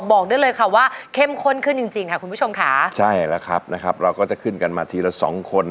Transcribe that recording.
บอกได้เลยค่ะว่าเข้มข้นขึ้นจริงจริงค่ะคุณผู้ชมค่ะใช่แล้วครับนะครับเราก็จะขึ้นกันมาทีละสองคน